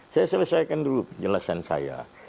saya selesaikan dulu penjelasan saya